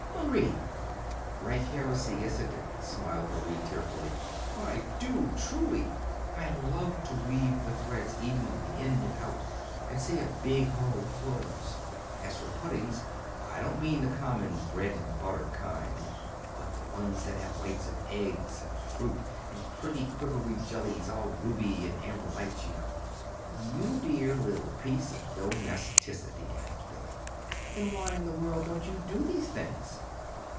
"Marie!" "Rank heresy, isn't it?" smiled Marie, tearfully. "But I do, truly. I love to weave the threads evenly in and out, and see a big hole close. As for the puddings I don't mean the common bread and butter kind, but the ones that have whites of eggs and fruit, and pretty quivery jellies all ruby and amber lights, you know." "You dear little piece of domesticity," laughed Billy. "Then why in the world don't you do these things?"